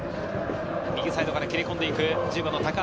右サイドから蹴り込んでいく、１０番の高足。